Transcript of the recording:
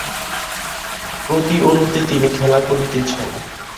প্রতি অণুতে তিনি খেলা করিতেছেন।